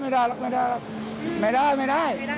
ไม่ได้ไม่ได้ไม่ได้ไม่ได้